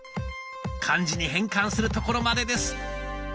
漢字に変換するところまでです。